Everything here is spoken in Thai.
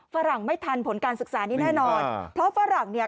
ฝรั่งไม่ทันผลการศึกษานี้แน่นอนเพราะฝรั่งเนี่ย